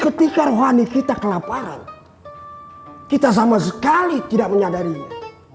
ketika rohani kita kelaparan kita sama sekali tidak menyadarinya